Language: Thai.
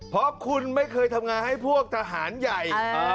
เพราะคุณไม่เคยทำงานให้พวกทหารใหญ่